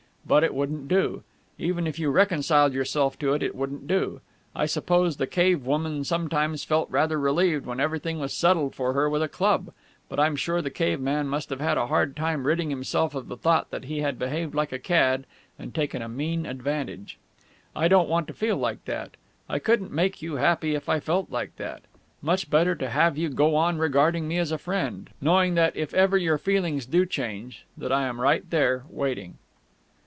But it wouldn't do. Even if you reconciled yourself to it, it wouldn't do. I suppose the cave woman sometimes felt rather relieved when everything was settled for her with a club, but I'm sure the caveman must have had a hard time ridding himself of the thought that he had behaved like a cad and taken a mean advantage. I don't want to feel like that. I couldn't make you happy if I felt like that. Much better to have you go on regarding me as a friend ... knowing that, if ever your feelings do change, that I am right there, waiting...."